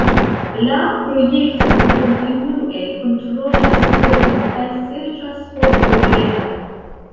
La projekto kontinue kontrolas kodon kaj serĉas por problemoj.